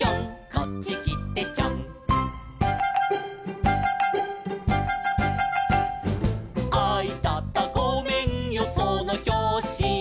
「こっちきてちょん」「あいたたごめんよそのひょうし」